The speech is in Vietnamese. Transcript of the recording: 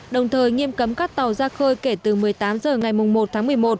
đồng thời nghiêm cấm các tàu ra khơi kể từ một mươi tám h ngày một tháng một mươi một